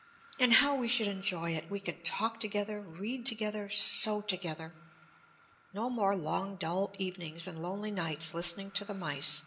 And how we should enjoy it! We could talk together, read together, sew together. No more long, dull evenings and lonely nights listening to the mice.